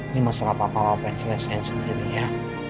ini masalah papa papa yang stresnya sendiri ya